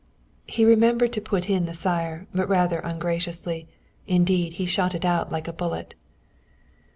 He remembered to put in the sire, but rather ungraciously. Indeed he shot it out like a bullet.